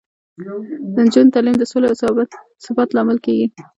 د نجونو تعلیم د سولې او ثبات لامل کیږي.